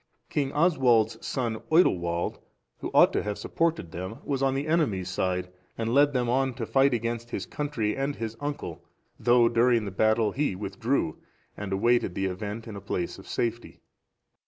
King Oswald's son Oidilwald,(435) who ought to have supported them, was on the enemy's side, and led them on to fight against his country and his uncle; though, during the battle, he withdrew, and awaited the event in a place of safety.